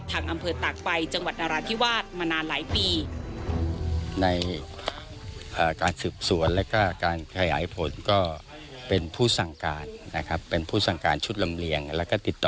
ทางอำเภอตากไฟจังหวัดนราธิวาสมานานหลายปี